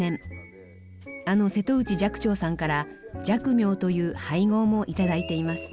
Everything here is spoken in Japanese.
あの瀬戸内寂聴さんから寂明という俳号も頂いています。